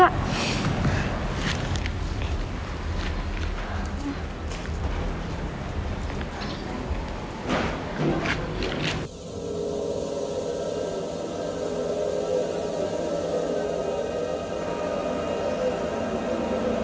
oh ini laur hayai